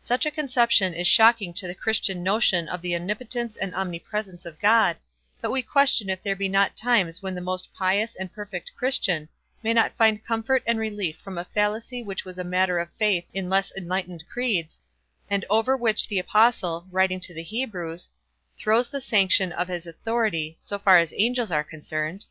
Such a conception is shocking to the Christian notion of the omnipotence and omnipresence of God, but we question if there be not times when the most pious and perfect Christian may not find comfort and relief from a fallacy which was a matter of faith in less enlightened creeds, and over which the apostle, writing to the Hebrews, throws the sanction of his authority, so far as angels are concerned.